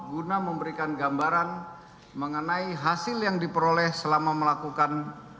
guna memberikan gambaran mengenai hasil yang diperolehkan